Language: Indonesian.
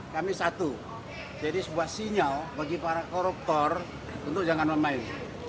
kami satu jadi sebuah sinyal bagi para koruptor untuk jangan main